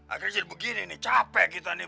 akhirnya jadi begini nih capek kita nih